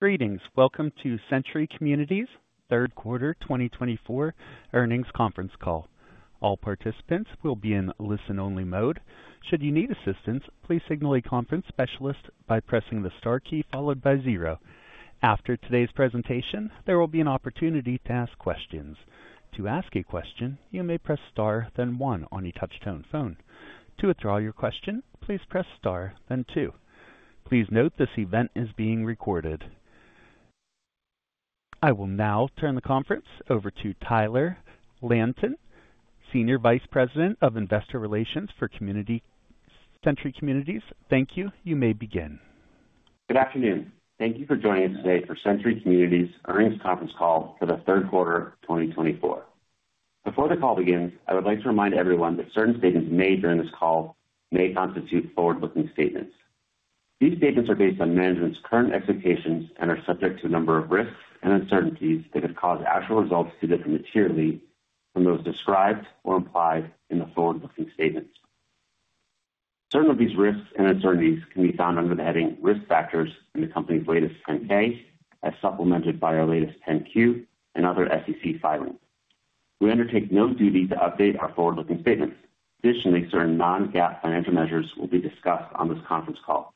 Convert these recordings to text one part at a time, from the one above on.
Greetings! Welcome to Century Communities' third quarter 2024 earnings conference call. All participants will be in listen-only mode. Should you need assistance, please signal a conference specialist by pressing the star key followed by zero. After today's presentation, there will be an opportunity to ask questions. To ask a question, you may press star, then one on your touchtone phone. To withdraw your question, please press star, then two. Please note, this event is being recorded. I will now turn the conference over to Tyler Langton, Senior Vice President of Investor Relations for Century Communities. Thank you. You may begin. Good afternoon. Thank you for joining us today for Century Communities' earnings conference call for the third quarter of 2024. Before the call begins, I would like to remind everyone that certain statements made during this call may constitute forward-looking statements. These statements are based on management's current expectations and are subject to a number of risks and uncertainties that could cause actual results to differ materially from those described or implied in the forward-looking statements. Certain of these risks and uncertainties can be found under the heading Risk Factors in the company's latest 10-K, as supplemented by our latest 10-Q and other SEC filings. We undertake no duty to update our forward-looking statements. Additionally, certain non-GAAP financial measures will be discussed on this conference call.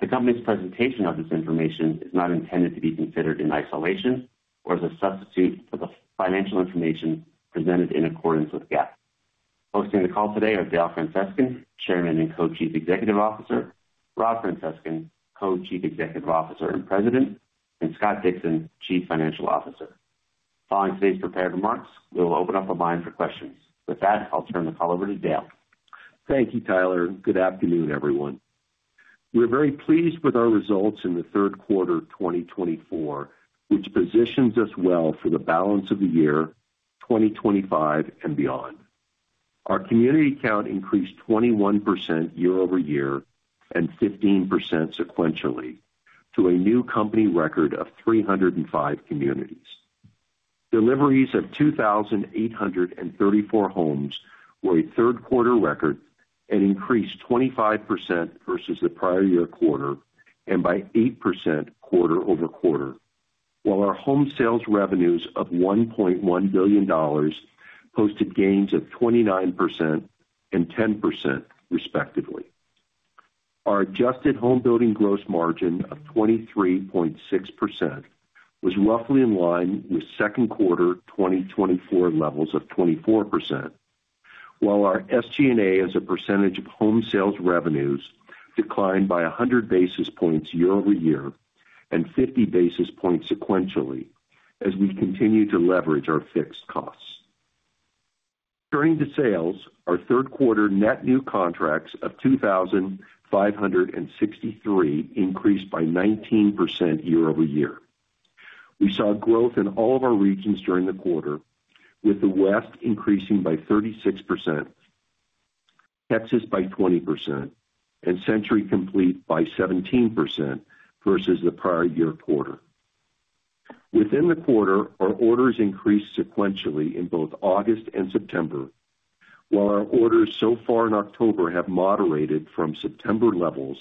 The company's presentation of this information is not intended to be considered in isolation or as a substitute for the financial information presented in accordance with GAAP. Hosting the call today are Dale Francescon, Chairman and Co-Chief Executive Officer, Rob Francescon, Co-Chief Executive Officer and President, and Scott Dixon, Chief Financial Officer. Following today's prepared remarks, we will open up the line for questions. With that, I'll turn the call over to Dale. Thank you, Tyler. Good afternoon, everyone. We're very pleased with our results in the third quarter of 2024, which positions us well for the balance of the year, 2025 and beyond. Our community count increased 21% year-over-year and 15% sequentially, to a new company record of 305 communities. Deliveries of 2,834 homes were a third quarter record and increased 25% versus the prior year quarter, and by 8% quarter-over-quarter, while our home sales revenues of $1.1 billion posted gains of 29% and 10%, respectively. Our adjusted homebuilding gross margin of 23.6% was roughly in line with second quarter 2024 levels of 24%, while our SG&A, as a percentage of home sales revenues, declined by 100 basis points year-over-year and 50 basis points sequentially as we continue to leverage our fixed costs. Turning to sales, our third quarter net new contracts of 2,563 increased by 19% year-over-year. We saw growth in all of our regions during the quarter, with the West increasing by 36%, Texas by 20%, and Century Complete by 17% versus the prior year quarter. Within the quarter, our orders increased sequentially in both August and September, while our orders so far in October have moderated from September levels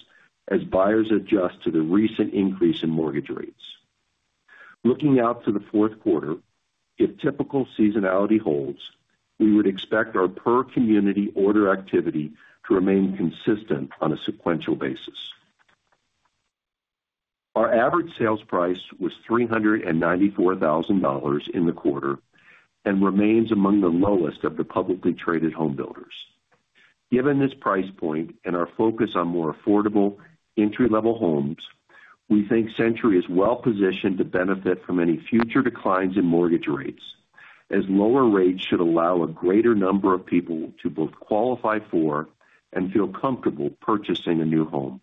as buyers adjust to the recent increase in mortgage rates. Looking out to the fourth quarter, if typical seasonality holds, we would expect our per community order activity to remain consistent on a sequential basis. Our average sales price was $394,000 in the quarter and remains among the lowest of the publicly traded homebuilders. Given this price point and our focus on more affordable, entry-level homes, we think Century is well positioned to benefit from any future declines in mortgage rates, as lower rates should allow a greater number of people to both qualify for and feel comfortable purchasing a new home.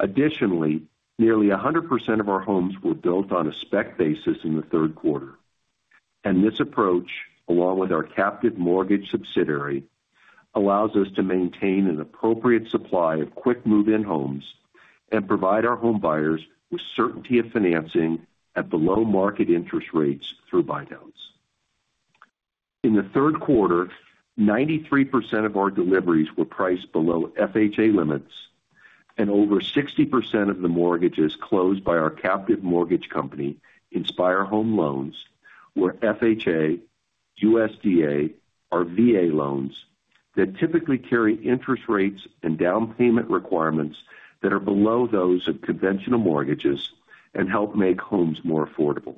Additionally, nearly 100% of our homes were built on a spec basis in the third quarter, and this approach, along with our captive mortgage subsidiary, allows us to maintain an appropriate supply of quick move-in homes and provide our home buyers with certainty of financing at below-market interest rates through buydowns. In the third quarter, 93% of our deliveries were priced below FHA limits, and over 60% of the mortgages closed by our captive mortgage company, Inspire Home Loans, were FHA, USDA, or VA loans that typically carry interest rates and down payment requirements that are below those of conventional mortgages and help make homes more affordable.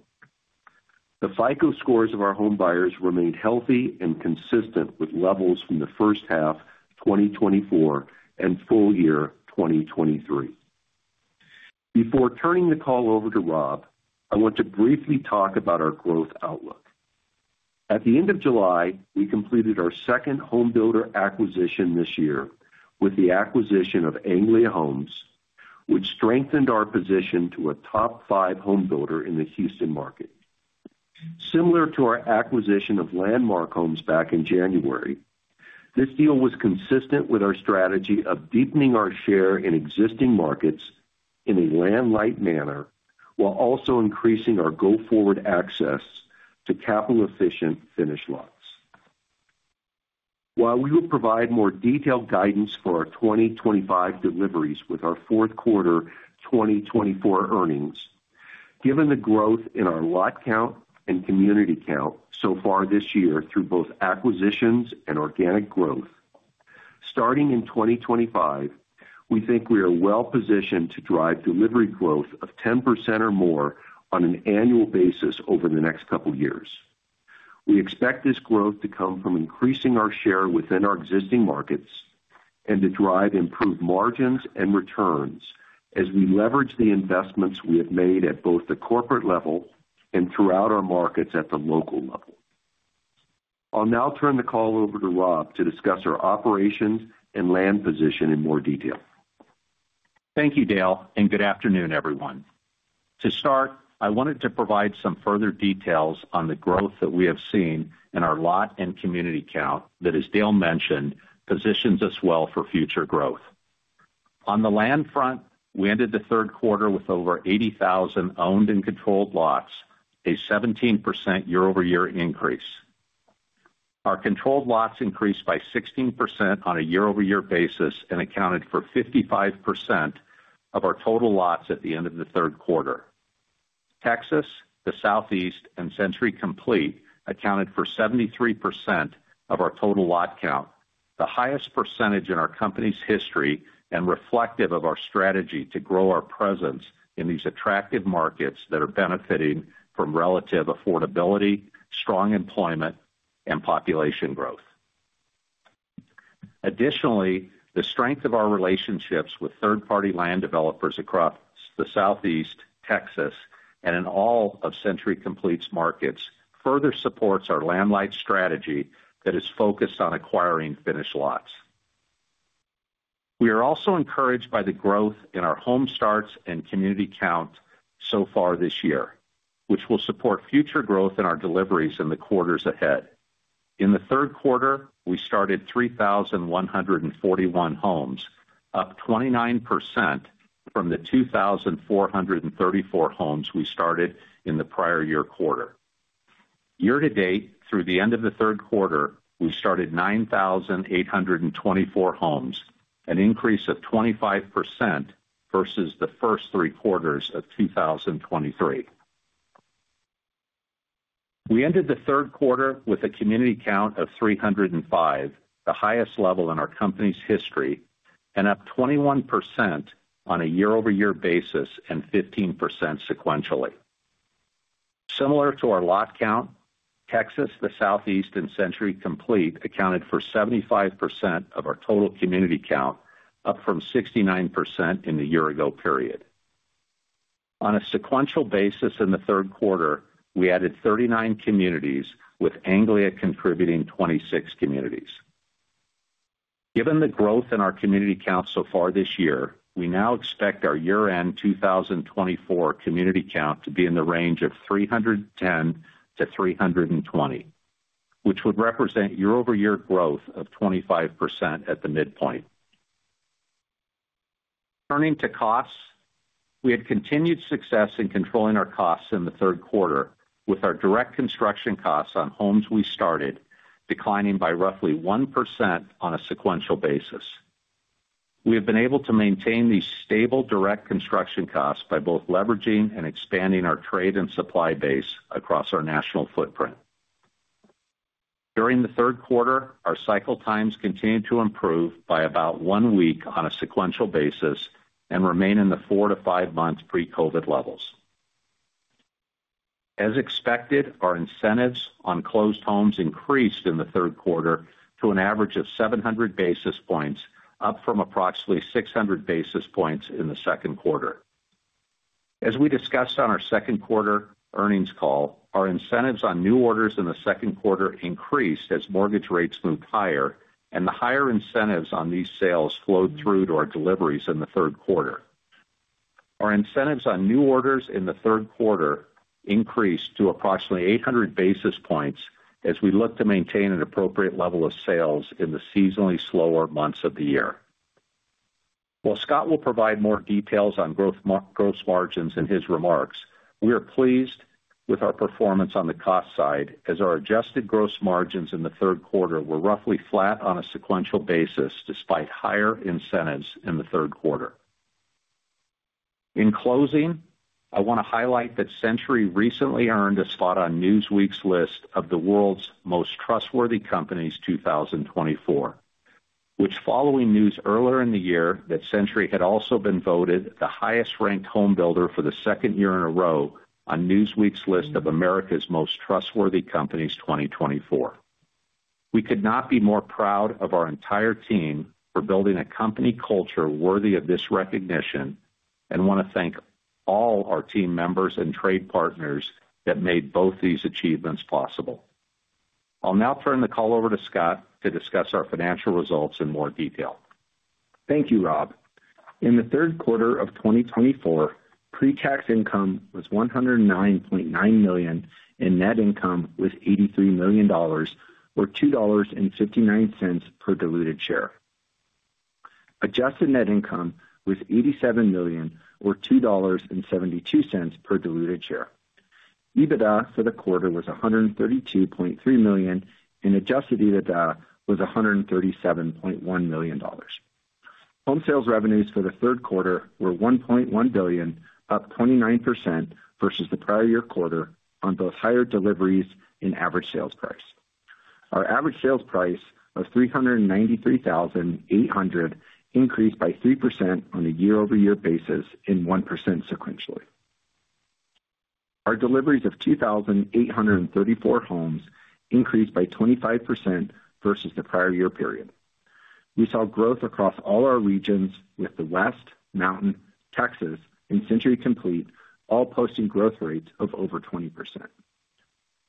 The FICO scores of our home buyers remained healthy and consistent with levels from the first half 2024 and full year 2023. Before turning the call over to Rob, I want to briefly talk about our growth outlook. At the end of July, we completed our second homebuilder acquisition this year with the acquisition of Anglia Homes, which strengthened our position to a top five homebuilder in the Houston market. Similar to our acquisition of Landmark Homes back in January, this deal was consistent with our strategy of deepening our share in existing markets in a land-light manner, while also increasing our go-forward access to capital-efficient finished lots. While we will provide more detailed guidance for our twenty twenty-five deliveries with our fourth quarter twenty twenty-four earnings, given the growth in our lot count and community count so far this year through both acquisitions and organic growth, starting in twenty twenty-five, we think we are well positioned to drive delivery growth of 10% or more on an annual basis over the next couple years. We expect this growth to come from increasing our share within our existing markets and to drive improved margins and returns as we leverage the investments we have made at both the corporate level and throughout our markets at the local level. I'll now turn the call over to Rob to discuss our operations and land position in more detail. Thank you, Dale, and good afternoon, everyone. To start, I wanted to provide some further details on the growth that we have seen in our lot and community count that, as Dale mentioned, positions us well for future growth. On the land front, we ended the third quarter with over eighty thousand owned and controlled lots, a 17% year-over-year increase. Our controlled lots increased by 16% on a year-over-year basis and accounted for 55% of our total lots at the end of the third quarter. Texas, the Southeast, and Century Complete accounted for 73% of our total lot count, the highest percentage in our company's history and reflective of our strategy to grow our presence in these attractive markets that are benefiting from relative affordability, strong employment, and population growth. Additionally, the strength of our relationships with third-party land developers across the Southeast, Texas, and in all of Century Complete's markets further supports our land-light strategy that is focused on acquiring finished lots. We are also encouraged by the growth in our home starts and community count so far this year, which will support future growth in our deliveries in the quarters ahead. In the third quarter, we started 3,141 homes, up 29% from the 2,434 homes we started in the prior year quarter. Year-to-date, through the end of the third quarter, we started 9,824 homes, an increase of 25% versus the first three quarters of 2023. We ended the third quarter with a community count of 305, the highest level in our company's history, and up 21% on a year-over-year basis and 15% sequentially. Similar to our lot count, Texas, the Southeast, and Century Complete accounted for 75% of our total community count, up from 69% in the year-ago period. On a sequential basis in the third quarter, we added 39 communities, with Anglia contributing 26 communities. Given the growth in our community count so far this year, we now expect our year-end 2024 community count to be in the range of 310 to 320, which would represent year-over-year growth of 25% at the midpoint. Turning to costs. We had continued success in controlling our costs in the third quarter, with our direct construction costs on homes we started declining by roughly 1% on a sequential basis. We have been able to maintain these stable, direct construction costs by both leveraging and expanding our trade and supply base across our national footprint. During the third quarter, our cycle times continued to improve by about one week on a sequential basis and remain in the 4-5 months pre-COVID levels. As expected, our incentives on closed homes increased in the third quarter to an average of 700 basis points, up from approximately 600 basis points in the second quarter. As we discussed on our second quarter earnings call, our incentives on new orders in the second quarter increased as mortgage rates moved higher, and the higher incentives on these sales flowed through to our deliveries in the third quarter. Our incentives on new orders in the third quarter increased to approximately 800 basis points as we look to maintain an appropriate level of sales in the seasonally slower months of the year. While Scott will provide more details on gross margins in his remarks, we are pleased with our performance on the cost side, as our adjusted gross margins in the third quarter were roughly flat on a sequential basis, despite higher incentives in the third quarter. In closing, I want to highlight that Century recently earned a spot on Newsweek's list of the World's Most Trustworthy Companies 2024, which following news earlier in the year that Century had also been voted the highest-ranked homebuilder for the second year in a row on Newsweek's list of America's Most Trustworthy Companies 2024. We could not be more proud of our entire team for building a company culture worthy of this recognition and want to thank all our team members and trade partners that made both these achievements possible. I'll now turn the call over to Scott to discuss our financial results in more detail. Thank you, Rob. In the third quarter of 2024, pre-tax income was $109.9 million, and net income was $83 million, or $2.59 per diluted share. ...Adjusted net income was $87 million, or $2.72 per diluted share. EBITDA for the quarter was $132.3 million, and adjusted EBITDA was $137.1 million. Home sales revenues for the third quarter were $1.1 billion, up 29% versus the prior year quarter on both higher deliveries and average sales price. Our average sales price of $393,800 increased by 3% on a year-over-year basis and 1% sequentially. Our deliveries of 2,834 homes increased by 25% versus the prior year period. We saw growth across all our regions, with the West, Mountain, Texas, and Century Complete all posting growth rates of over 20%.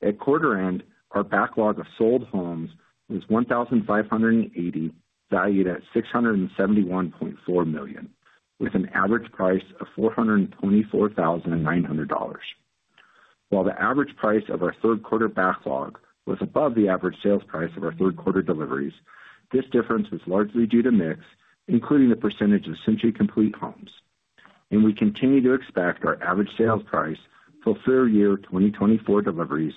At quarter end, our backlog of sold homes was 1,500, valued at $671.4 million, with an average price of $424,900. While the average price of our third quarter backlog was above the average sales price of our third quarter deliveries, this difference was largely due to mix, including the percentage of Century Complete homes, and we continue to expect our average sales price for full year 2024 deliveries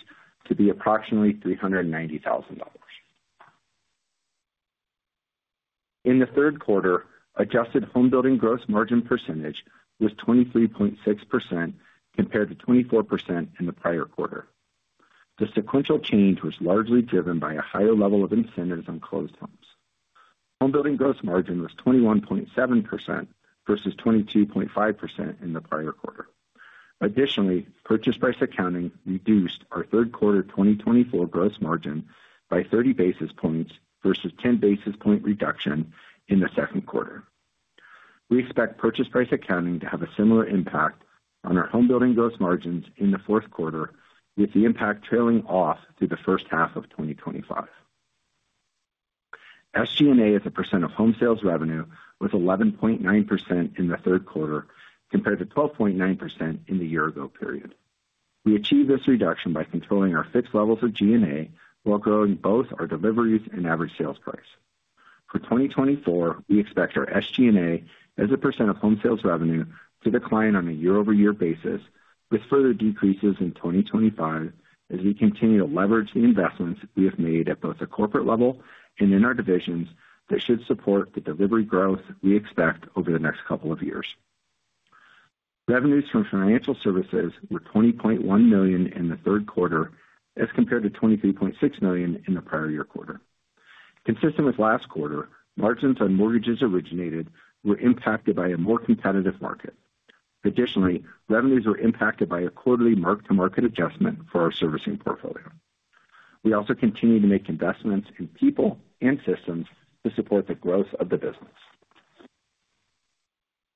to be approximately $390,000. In the third quarter, adjusted homebuilding gross margin percentage was 23.6%, compared to 24% in the prior quarter. The sequential change was largely driven by a higher level of incentives on closed homes. Homebuilding gross margin was 21.7% versus 22.5% in the prior quarter. Additionally, purchase price accounting reduced our third quarter 2024 gross margin by thirty basis points versus ten basis point reduction in the second quarter. We expect purchase price accounting to have a similar impact on our homebuilding gross margins in the fourth quarter, with the impact trailing off through the first half of 2025. SG&A as a percent of home sales revenue was 11.9% in the third quarter, compared to 12.9% in the year ago period. We achieved this reduction by controlling our fixed levels of G&A, while growing both our deliveries and average sales price. For 2024, we expect our SG&A as a percent of home sales revenue to decline on a year-over-year basis, with further decreases in 2025 as we continue to leverage the investments we have made at both a corporate level and in our divisions, that should support the delivery growth we expect over the next couple of years. Revenues from financial services were $20.1 million in the third quarter, as compared to $23.6 million in the prior year quarter. Consistent with last quarter, margins on mortgages originated were impacted by a more competitive market. Additionally, revenues were impacted by a quarterly mark-to-market adjustment for our servicing portfolio. We also continue to make investments in people and systems to support the growth of the business.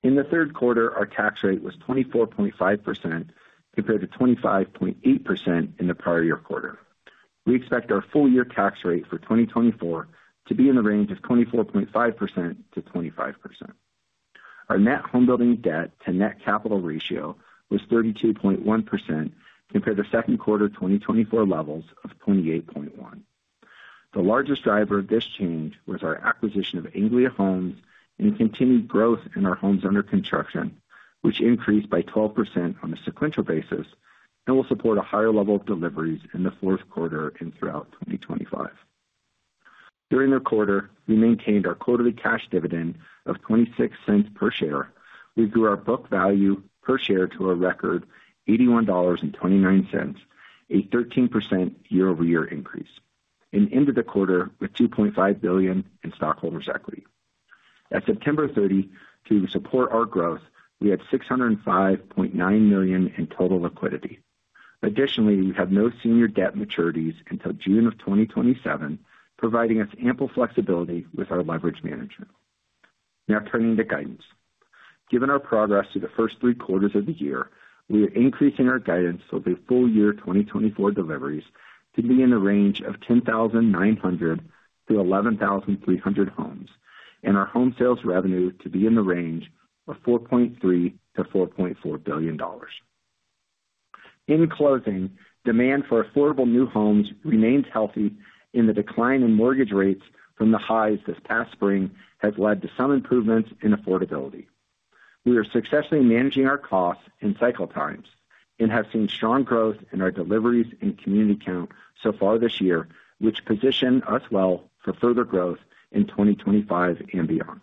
In the third quarter, our tax rate was 24.5%, compared to 25.8% in the prior year quarter. We expect our full year tax rate for 2024 to be in the range of 24.5%-25%. Our net homebuilding debt to net capital ratio was 32.1%, compared to second quarter 2024 levels of 28.1%. The largest driver of this change was our acquisition of Anglia Homes and continued growth in our homes under construction, which increased by 12% on a sequential basis and will support a higher level of deliveries in the fourth quarter and throughout 2025. During the quarter, we maintained our quarterly cash dividend of $0.26 per share. We grew our book value per share to a record $81.29, a 13% year-over-year increase, and ended the quarter with $2.5 billion in stockholders' equity. of September 30, to support our growth, we had $605.9 million in total liquidity. Additionally, we have no senior debt maturities until June 2027, providing us ample flexibility with our leverage management. Now turning to guidance. Given our progress through the first three quarters of the year, we are increasing our guidance for the full year 2024 deliveries to be in the range of 10,900-11,300 homes, and our home sales revenue to be in the range of $4.3 billion-$4.4 billion. In closing, demand for affordable new homes remains healthy, and the decline in mortgage rates from the highs this past spring has led to some improvements in affordability. We are successfully managing our costs and cycle times and have seen strong growth in our deliveries and community count so far this year, which position us well for further growth in 2025 and beyond.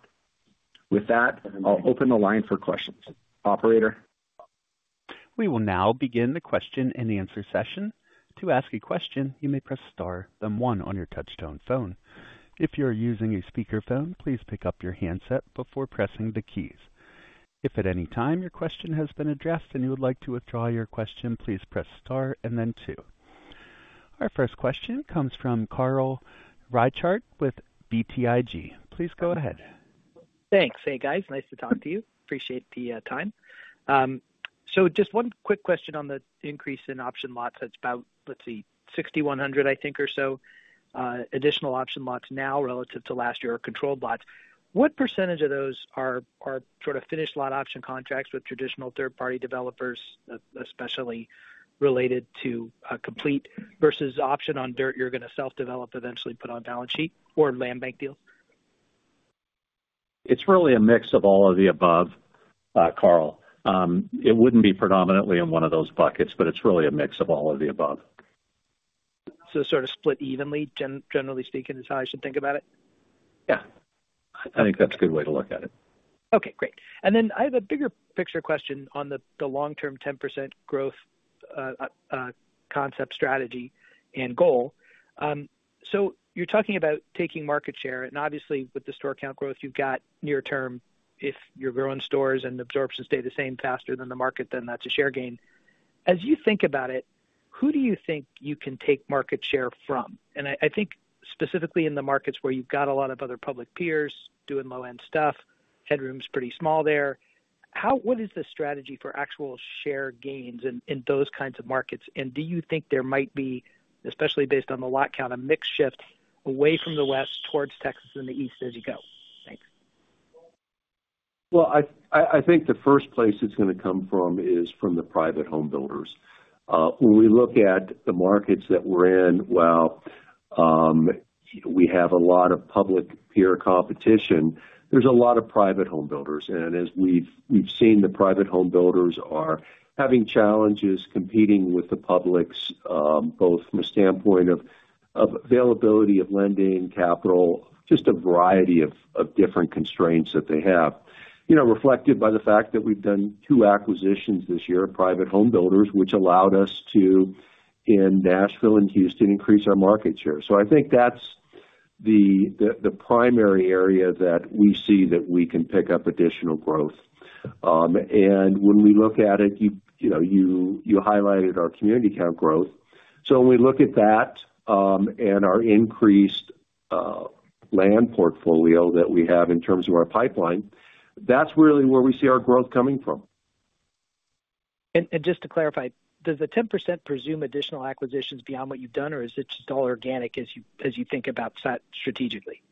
With that, I'll open the line for questions. Operator? We will now begin the question-and-answer session. To ask a question, you may press star then one on your touchtone phone. If you are using a speakerphone, please pick up your handset before pressing the keys. If at any time your question has been addressed and you would like to withdraw your question, please press star and then two. Our first question comes from Carl Reichardt with BTIG. Please go ahead. Thanks. Hey, guys, nice to talk to you. Appreciate the time. So just one quick question on the increase in option lots. That's about, let's see, 6,100, I think, additional option lots now relative to last year or controlled lots. What percentage of those are sort of finished lot option contracts with traditional third-party developers, especially related to a complete versus option on dirt you're going to self-develop, eventually put on balance sheet or land bank deal?... It's really a mix of all of the above, Carl. It wouldn't be predominantly in one of those buckets, but it's really a mix of all of the above. So sort of split evenly, generally speaking, is how I should think about it? Yeah, I think that's a good way to look at it. Okay, great. And then I have a bigger picture question on the long-term 10% growth concept, strategy, and goal. So you're talking about taking market share, and obviously, with the store count growth, you've got near term. If you're growing stores and absorption stay the same faster than the market, then that's a share gain. As you think about it, who do you think you can take market share from? And I think specifically in the markets where you've got a lot of other public peers doing low-end stuff, headroom's pretty small there. What is the strategy for actual share gains in those kinds of markets? And do you think there might be, especially based on the lot count, a mix shift away from the West towards Texas and the East as you go? Thanks. I think the first place it's gonna come from is from the private homebuilders. When we look at the markets that we're in, while we have a lot of public peer competition, there's a lot of private homebuilders. And as we've seen, the private homebuilders are having challenges competing with the publics, both from a standpoint of availability of lending, capital, just a variety of different constraints that they have. You know, reflected by the fact that we've done two acquisitions this year of private homebuilders, which allowed us to, in Nashville and Houston, increase our market share. So I think that's the primary area that we see that we can pick up additional growth. And when we look at it, you know, you highlighted our community count growth. So when we look at that, and our increased land portfolio that we have in terms of our pipeline, that's really where we see our growth coming from. Just to clarify, does the 10% presume additional acquisitions beyond what you've done, or is it just all organic as you think about that strategically?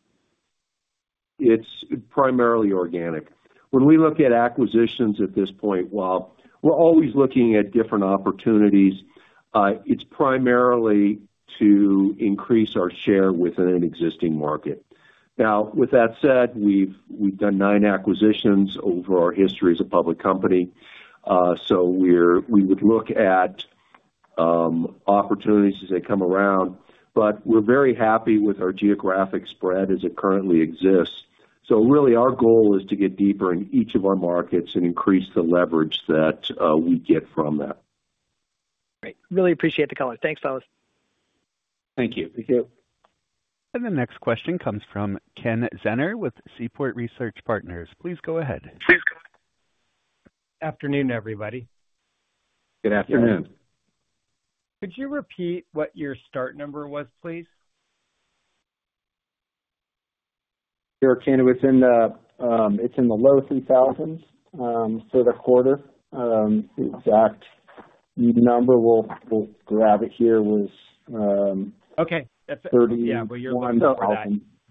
It's primarily organic. When we look at acquisitions at this point, while we're always looking at different opportunities, it's primarily to increase our share within an existing market. Now, with that said, we've done nine acquisitions over our history as a public company. So we would look at opportunities as they come around, but we're very happy with our geographic spread as it currently exists. So really, our goal is to get deeper in each of our markets and increase the leverage that we get from that. Great. Really appreciate the color. Thanks, fellas. Thank you. Thank you. The next question comes from Ken Zener with Seaport Research Partners. Please go ahead. Afternoon, everybody. Good afternoon. Could you repeat what your start number was, please? Sure, Ken. It was in the, it's in the low three thousands, for the quarter. The exact number, we'll grab it here, was, Okay. Thirty- Yeah, but you're looking for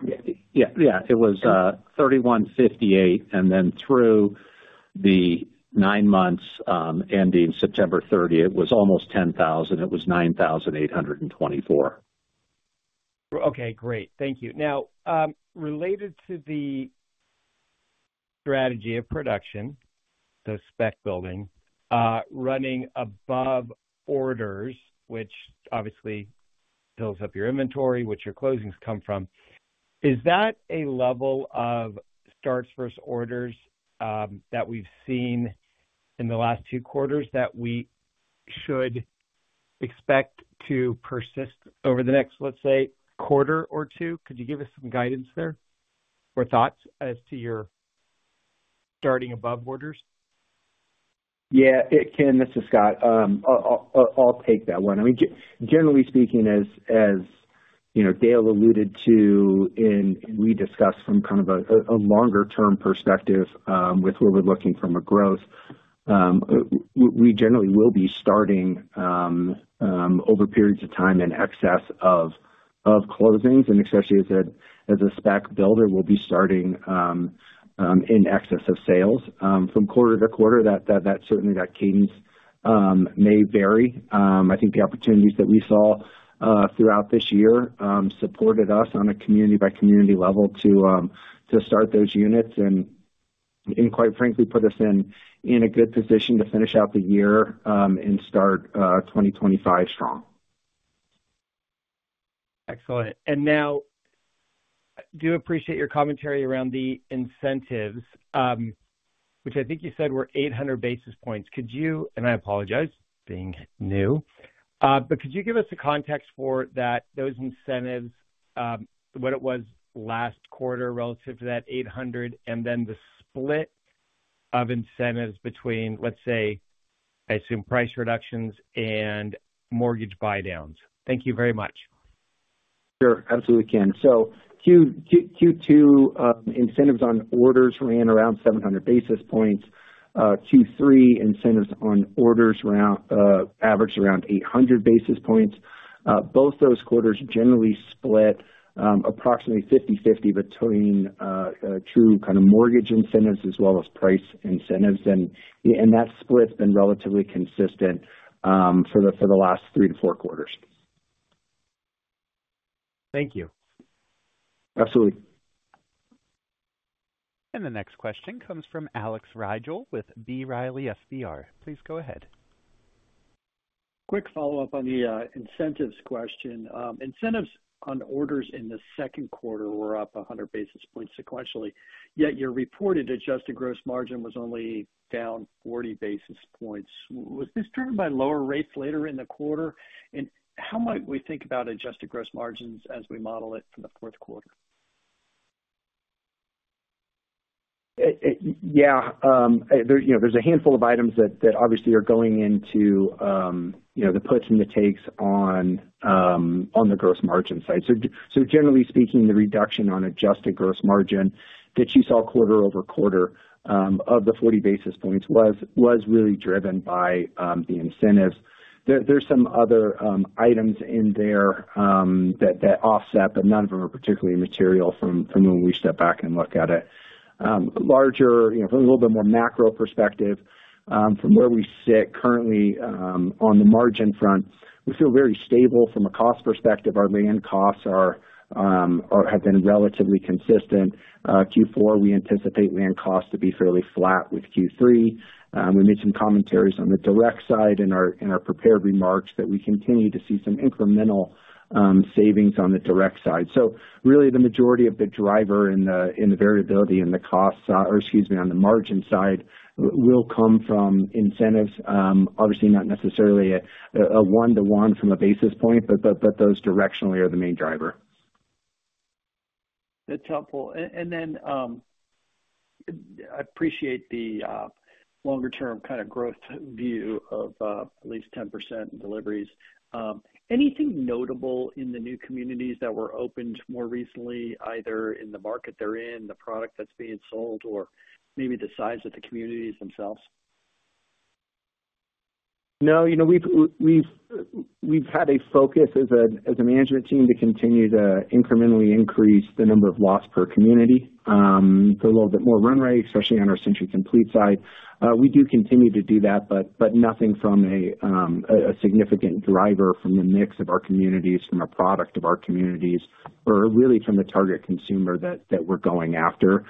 that. Yeah. Yeah. It was 3,158, and then through the nine months ending September thirtieth was almost 10,000. It was 9,824. Okay, great. Thank you. Now, related to the strategy of production, so spec building, running above orders, which obviously builds up your inventory, which your closings come from, is that a level of starts versus orders, that we've seen in the last two quarters that we should expect to persist over the next, let's say, quarter or two? Could you give us some guidance there or thoughts as to your starting above orders? Yeah, Ken, this is Scott. I'll take that one. I mean, generally speaking, as you know, Dale alluded to and we discussed from kind of a longer-term perspective, with where we're looking from a growth, we generally will be starting over periods of time in excess of closings, and especially as a spec builder, we'll be starting in excess of sales. From quarter to quarter that certainly that cadence may vary. I think the opportunities that we saw throughout this year supported us on a community-by-community level to start those units and quite frankly put us in a good position to finish out the year and start twenty twenty-five strong. Excellent. And now, I do appreciate your commentary around the incentives, which I think you said were eight hundred basis points. And I apologize, being new, but could you give us a context for that, those incentives, what it was last quarter relative to that eight hundred, and then the split of incentives between, let's say, I assume, price reductions and mortgage buydowns? Thank you very much. Sure, absolutely, Ken. So Q2, incentives on orders ran around 700 basis points. Q3, incentives on orders around averaged around 800 basis points. Both those quarters generally split approximately fifty-fifty between true kind of mortgage incentives as well as price incentives. And that split's been relatively consistent for the last three to four quarters. Thank you. Absolutely. And the next question comes from Alex Rygiel with B. Riley FBR. Please go ahead. Quick follow-up on the incentives question. Incentives on orders in the second quarter were up a hundred basis points sequentially, yet your reported adjusted gross margin was only down forty basis points. Was this driven by lower rates later in the quarter, and how might we think about adjusted gross margins as we model it for the fourth quarter? Yeah. There, you know, there's a handful of items that obviously are going into, you know, the puts and the takes on the gross margin side. So generally speaking, the reduction on adjusted gross margin that you saw quarter-over-quarter of the forty basis points was really driven by the incentives. There, there's some other items in there that offset, but none of them are particularly material from when we step back and look at it. You know, from a little bit more macro perspective, from where we sit currently, on the margin front, we feel very stable from a cost perspective. Our land costs have been relatively consistent. Q4, we anticipate land costs to be fairly flat with Q3. We made some commentaries on the direct side in our prepared remarks that we continue to see some incremental savings on the direct side. So really, the majority of the driver in the variability and the costs, or excuse me, on the margin side, will come from incentives, obviously not necessarily a one-to-one from a basis point, but those directionally are the main driver. That's helpful. And then, I appreciate the longer term kind of growth view of at least 10% in deliveries. Anything notable in the new communities that were opened more recently, either in the market they're in, the product that's being sold, or maybe the size of the communities themselves? No, you know, we've had a focus as a management team to continue to incrementally increase the number of lots per community, so a little bit more runway, especially on our Century Complete side. We do continue to do that, but nothing from a significant driver from the mix of our communities, from the product of our communities, or really from the target consumer that we're going after,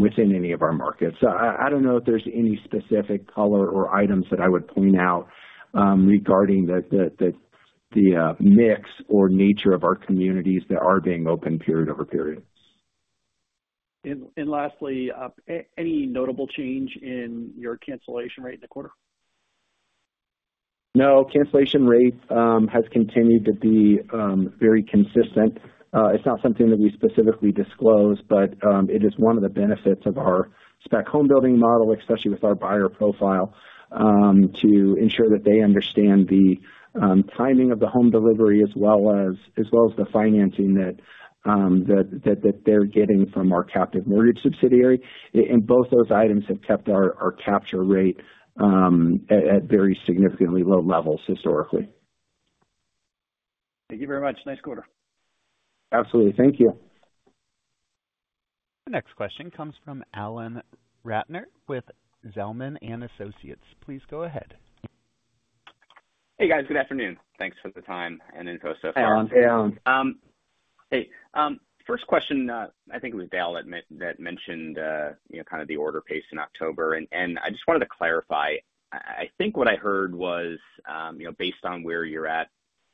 within any of our markets. I don't know if there's any specific color or items that I would point out, regarding the mix or nature of our communities that are being opened period-over-period. Lastly, any notable change in your cancellation rate in the quarter? No, cancellation rate has continued to be very consistent. It's not something that we specifically disclose, but it is one of the benefits of our spec homebuilding model, especially with our buyer profile, to ensure that they understand the timing of the home delivery as well as the financing that they're getting from our captive mortgage subsidiary. And both those items have kept our capture rate at very significantly low levels historically. Thank you very much. Nice quarter. Absolutely. Thank you. The next question comes from Alan Ratner with Zelman & Associates. Please go ahead. Hey, guys. Good afternoon. Thanks for the time and info so far. Hey, Alan. Hey, first question, I think it was Dale that mentioned, you know, kind of the order pace in October, and I just wanted to clarify. I think what I heard was, you know, based on where you're at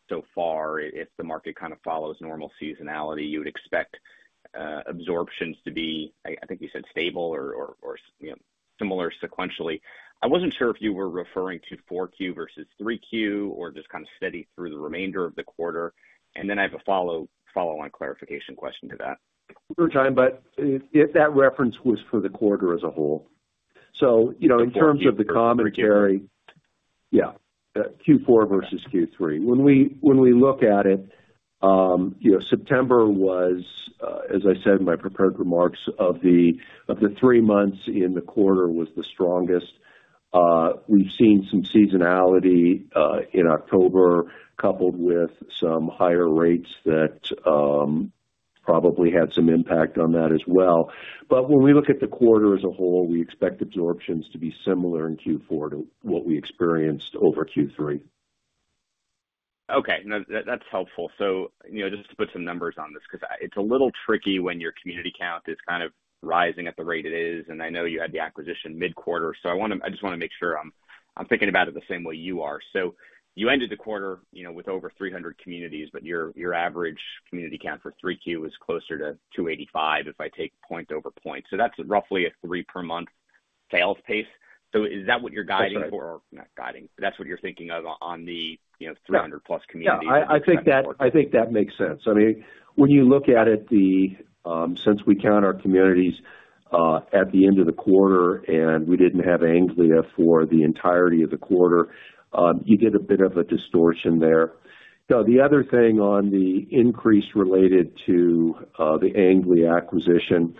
so far, if the market kind of follows normal seasonality, you would expect absorptions to be, I think you said stable or, you know, similar sequentially. I wasn't sure if you were referring to Q4 versus Q3 or just kind of steady through the remainder of the quarter. And then I have a follow-on clarification question to that. Sure, but if that reference was for the quarter as a whole. So, you know, in terms of the commentary, yeah, Q4 versus Q3. When we look at it, you know, September was, as I said in my prepared remarks of the three months in the quarter, was the strongest. We've seen some seasonality in October, coupled with some higher rates that probably had some impact on that as well. But when we look at the quarter as a whole, we expect absorptions to be similar in Q4 to what we experienced over Q3. Okay. No, that, that's helpful, so you know, just to put some numbers on this, because I... It's a little tricky when your community count is kind of rising at the rate it is, and I know you had the acquisition mid-quarter, so I want to. I just want to make sure I'm thinking about it the same way you are, so you ended the quarter, you know, with over three hundred communities, but your average community count for 3Q is closer to two eighty-five, if I take point over point. So that's roughly a three per month sales pace, so is that what you're guiding for? Not guiding. That's what you're thinking of on the, you know, three hundred-plus communities? Yeah, I think that, I think that makes sense. I mean, when you look at it, since we count our communities at the end of the quarter, and we didn't have Anglia for the entirety of the quarter, you get a bit of a distortion there. So the other thing on the increase related to the Anglia acquisition,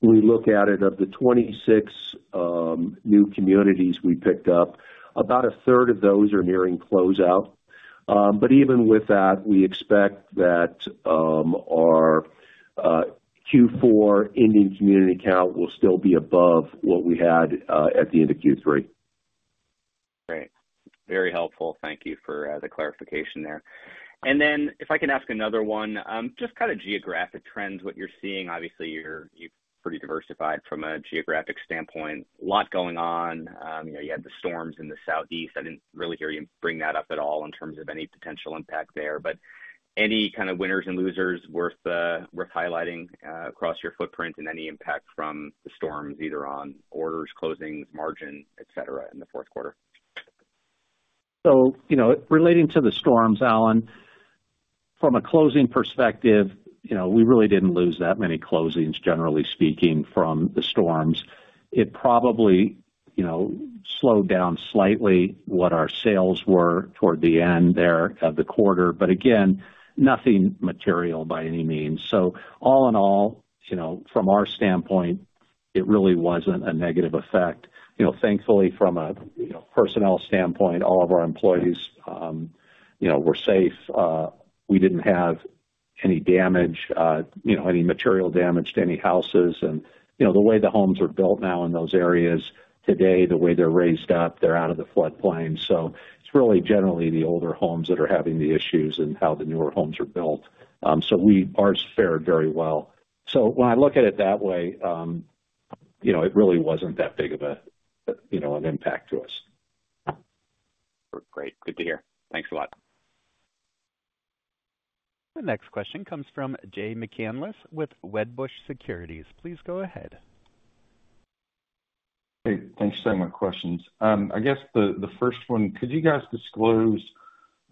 we look at it, of the twenty-six new communities we picked up, about a third of those are nearing closeout. But even with that, we expect that our Q4 ending community count will still be above what we had at the end of Q3.... Great. Very helpful. Thank you for the clarification there. And then if I can ask another one, just kind of geographic trends, what you're seeing. Obviously, you're, you're pretty diversified from a geographic standpoint. A lot going on. You know, you had the storms in the Southeast. I didn't really hear you bring that up at all in terms of any potential impact there. But any kind of winners and losers worth worth highlighting across your footprint and any impact from the storms, either on orders, closings, margin, et cetera, in the fourth quarter? You know, relating to the storms, Alan, from a closing perspective, you know, we really didn't lose that many closings, generally speaking, from the storms. It probably, you know, slowed down slightly what our sales were toward the end there of the quarter, but again, nothing material by any means. All in all, you know, from our standpoint, it really wasn't a negative effect. You know, thankfully, from a personnel standpoint, all of our employees, you know, were safe. We didn't have any damage, you know, any material damage to any houses. You know, the way the homes are built now in those areas today, the way they're raised up, they're out of the floodplain. It's really generally the older homes that are having the issues and how the newer homes are built. Ours fared very well. So when I look at it that way, you know, it really wasn't that big of a, you know, an impact to us. Great. Good to hear. Thanks a lot. The next question comes from Jay McCanless with Wedbush Securities. Please go ahead. Hey, thanks so much for taking my questions. I guess the first one, could you guys disclose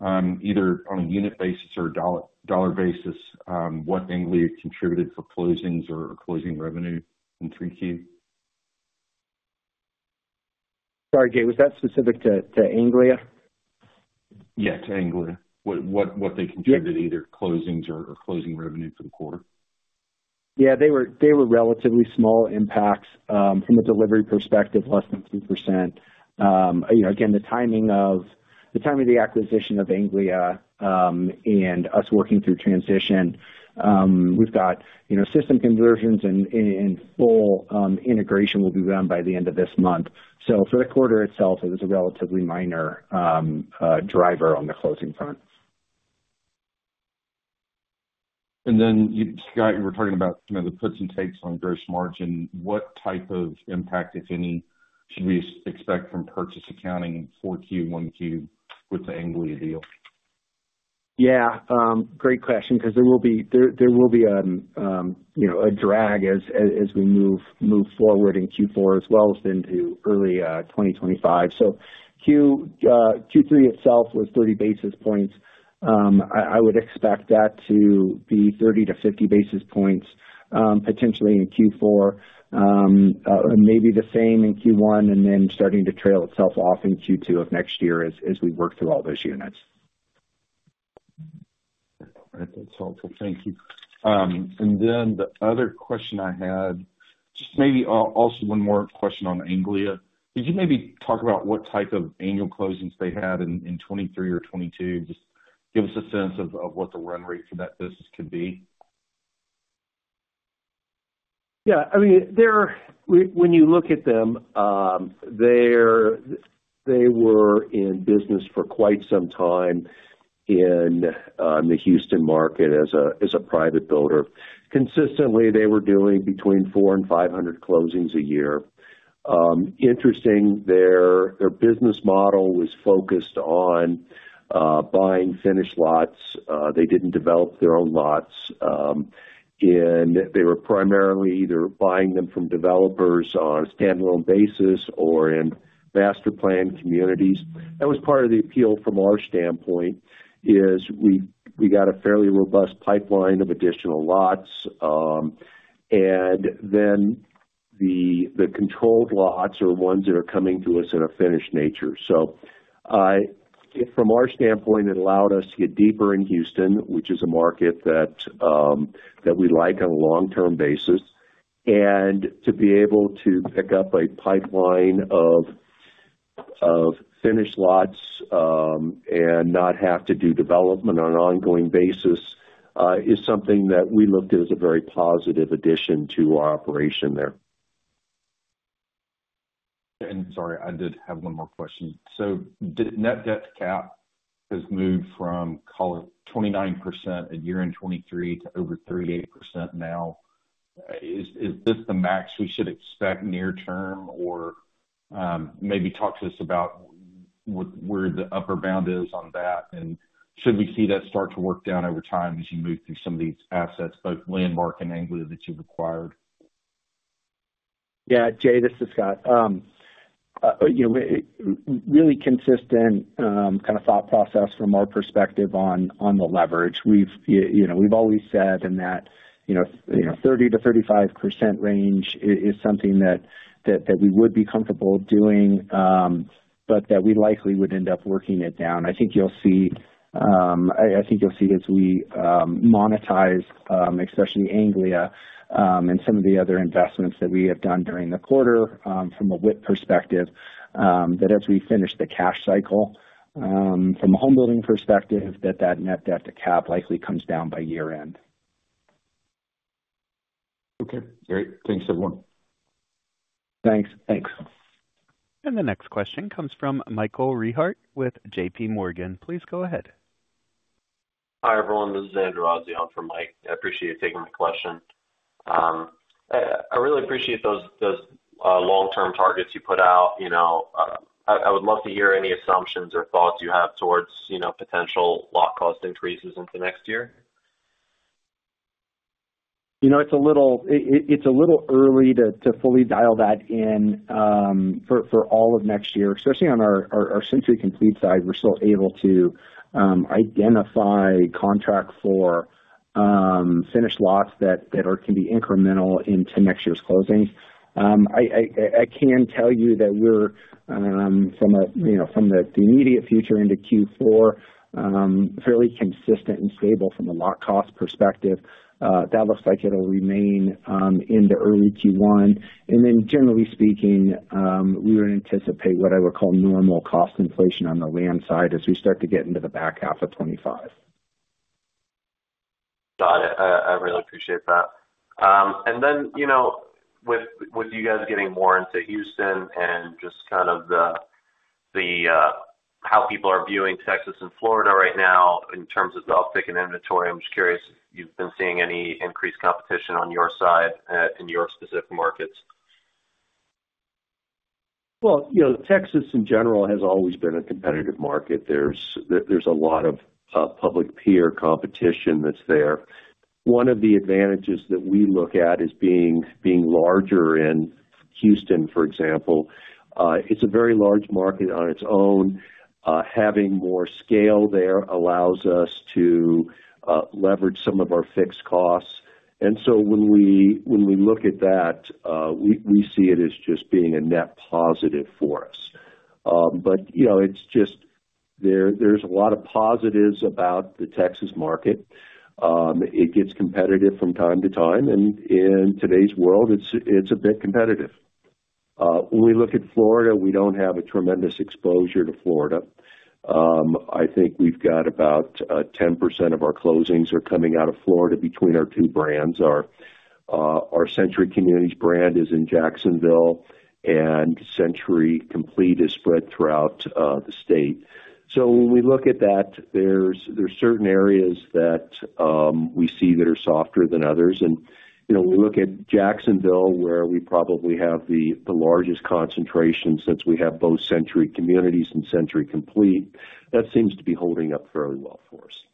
either on a unit basis or a dollar basis what Anglia contributed for closings or closing revenue in 3Q? Sorry, Jay, was that specific to Anglia? Yeah, to Anglia. What they contributed either closings or closing revenue for the quarter. Yeah, they were relatively small impacts. From a delivery perspective, less than 2%. You know, again, the timing of the acquisition of Anglia, and us working through transition, we've got, you know, system conversions and full integration will be done by the end of this month. So for the quarter itself, it was a relatively minor driver on the closing front. You, Scott, you were talking about, you know, the puts and takes on gross margin. What type of impact, if any, should we expect from purchase accounting in 4Q, 1Q with the Anglia deal? Yeah, great question, 'cause there will be, you know, a drag as we move forward in Q4 as well as into early twenty twenty-five. So Q3 itself was 30 basis points. I would expect that to be 30-50 basis points, potentially in Q4, and maybe the same in Q1, and then starting to trail itself off in Q2 of next year as we work through all those units. That's helpful. Thank you. And then the other question I had, just maybe, also one more question on Anglia. Could you maybe talk about what type of annual closings they had in 2023 or 2022? Just give us a sense of what the run rate for that business could be. Yeah, I mean, when you look at them, they were in business for quite some time in the Houston market as a private builder. Consistently, they were doing between four and five hundred closings a year. Interesting, their business model was focused on buying finished lots. They didn't develop their own lots. And they were primarily either buying them from developers on a standalone basis or in master-planned communities. That was part of the appeal from our standpoint, is we got a fairly robust pipeline of additional lots. And then the controlled lots are ones that are coming to us in a finished nature. So, from our standpoint, it allowed us to get deeper in Houston, which is a market that we like on a long-term basis. To be able to pick up a pipeline of finished lots, and not have to do development on an ongoing basis, is something that we looked as a very positive addition to our operation there. Sorry, I did have one more question. So net debt to cap has moved from, call it, 29% at year-end 2023 to over 38% now. Is this the max we should expect near term? Or maybe talk to us about where the upper bound is on that, and should we see that start to work down over time as you move through some of these assets, both Landmark and Anglia, that you've acquired? Yeah, Jay, this is Scott. You know, really consistent kind of thought process from our perspective on the leverage. We've, you know, we've always said in that, you know, 30%-35% range is something that we would be comfortable doing, but that we likely would end up working it down. I think you'll see, I think you'll see as we monetize, especially Anglia, and some of the other investments that we have done during the quarter, from a WIP perspective, that as we finish the cash cycle, from a homebuilding perspective, that net debt to cap likely comes down by year-end.... Okay, great. Thanks, everyone. Thanks. Thanks. The next question comes from Michael Rehaut with J.P. Morgan. Please go ahead. Hi, everyone, this is Andrew Azzi on for Mike. I appreciate you taking my question. I really appreciate those long-term targets you put out. You know, I would love to hear any assumptions or thoughts you have towards, you know, potential lot cost increases into next year. You know, it's a little early to fully dial that in for all of next year, especially on our Century Complete side. We're still able to identify, contract for finished lots that can be incremental into next year's closings. I can tell you that we're, from a, you know, from the immediate future into Q4, fairly consistent and stable from a lot cost perspective. That looks like it'll remain into early Q1. And then generally speaking, we would anticipate what I would call normal cost inflation on the land side as we start to get into the back half of twenty-five. Got it. I really appreciate that, and then, you know, with you guys getting more into Houston and just kind of how people are viewing Texas and Florida right now in terms of the uptick in inventory, I'm just curious if you've been seeing any increased competition on your side, in your specific markets? You know, Texas in general has always been a competitive market. There's a lot of public peer competition that's there. One of the advantages that we look at is being larger in Houston, for example. It's a very large market on its own. Having more scale there allows us to leverage some of our fixed costs. And so when we look at that, we see it as just being a net positive for us. But, you know, it's just there, there's a lot of positives about the Texas market. It gets competitive from time to time, and in today's world, it's a bit competitive. When we look at Florida, we don't have a tremendous exposure to Florida. I think we've got about 10% of our closings coming out of Florida between our two brands. Our Century Communities brand is in Jacksonville, and Century Complete is spread throughout the state. So when we look at that, there's certain areas that we see that are softer than others. And you know, we look at Jacksonville, where we probably have the largest concentration since we have both Century Communities and Century Complete. That seems to be holding up very well for us.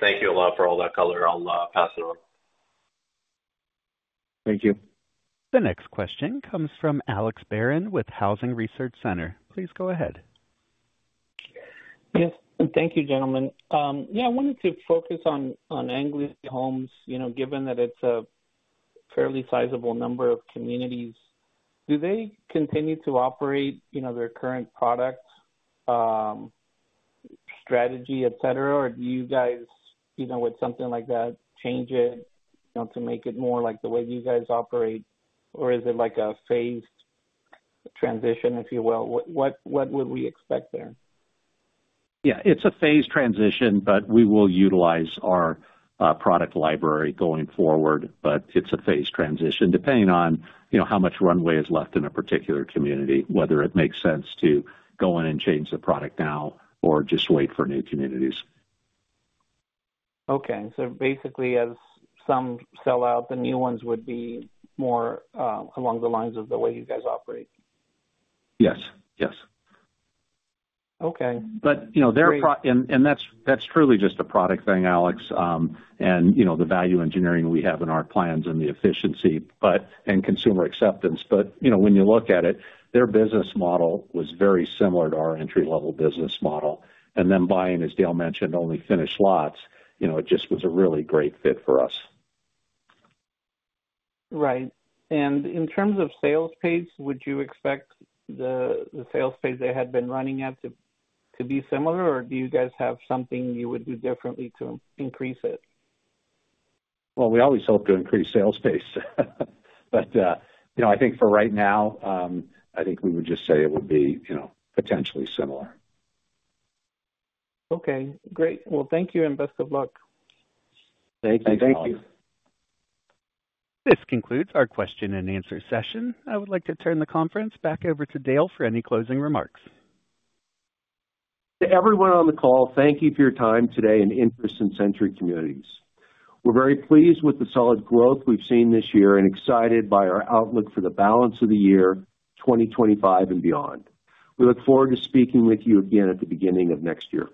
Thank you a lot for all that color. I'll pass it on. Thank you. The next question comes from Alex Barron with Housing Research Center. Please go ahead. Yes, and thank you, gentlemen. Yeah, I wanted to focus on Anglia Homes, you know, given that it's a fairly sizable number of communities. Do they continue to operate, you know, their current product strategy, et cetera? Or do you guys, you know, with something like that, change it, you know, to make it more like the way you guys operate? Or is it like a phased transition, if you will? What would we expect there? Yeah, it's a phased transition, but we will utilize our product library going forward. But it's a phased transition, depending on, you know, how much runway is left in a particular community, whether it makes sense to go in and change the product now or just wait for new communities. Okay. So basically, as some sell out, the new ones would be more along the lines of the way you guys operate? Yes. Yes. Okay. But, you know, their pros and cons, and that's truly just a product thing, Alex. And, you know, the value engineering we have in our plans and the efficiency, but and consumer acceptance. But, you know, when you look at it, their business model was very similar to our entry-level business model. And then buying, as Dale mentioned, only finished lots, you know, it just was a really great fit for us. Right. And in terms of sales pace, would you expect the sales pace they had been running at to be similar, or do you guys have something you would do differently to increase it? We always hope to increase sales pace. You know, I think for right now, I think we would just say it would be, you know, potentially similar. Okay, great. Well, thank you and best of luck. Thank you. Thank you. This concludes our question and answer session. I would like to turn the conference back over to Dale for any closing remarks. To everyone on the call, thank you for your time today and interest in Century Communities. We're very pleased with the solid growth we've seen this year and excited by our outlook for the balance of the year, twenty twenty-five and beyond. We look forward to speaking with you again at the beginning of next year.